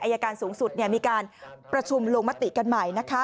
อายการสูงสุดมีการปฎำรวมมติกันใหม่